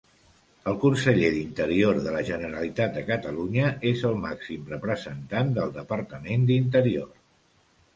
El conseller d'Interior de la Generalitat de Catalunya és el màxim representant del Departament d'Interior.